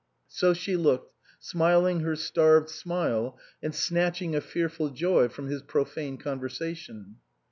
So she looked, smiling her starved smile and snatching a fearful joy from his profane conversation.